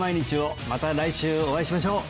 また来週お会いしましょう！